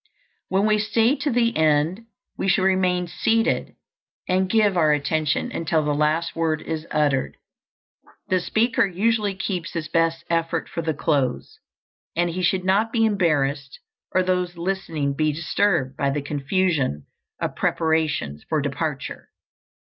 When we stay to the end we should remain seated and give our attention until the last word is uttered. The speaker usually keeps his best effort for the close, and he should not be embarrassed, or those listening be disturbed, by the confusion of preparations for departure.